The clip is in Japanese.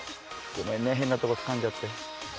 ごめんね変なとこつかんじゃって。